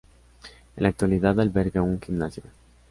En la actualidad alberga un gimnasio.